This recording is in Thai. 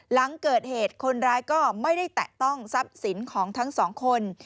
หลังเกิดเหตุคนร้ายก็ไม่ได้แตะต้องทรัพย์สินของทั้งสองคน